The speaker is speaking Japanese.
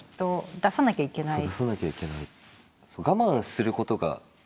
そう出さなきゃいけない。